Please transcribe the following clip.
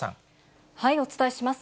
お伝えします。